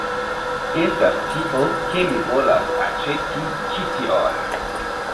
estas tio, ke mi volas aĉeti ĉi tion.